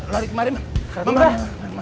lari kemarin man